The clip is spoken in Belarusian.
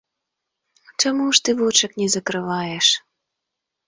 Чаму ж ты вочак не закрываеш?